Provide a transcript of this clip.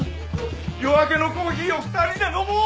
夜明けのコーヒーを２人で飲もう！